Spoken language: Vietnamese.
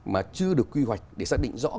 mà chưa được quy hoạch để xác định rõ